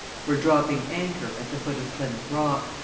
were dropping anchor at the foot of Plymouth Rock.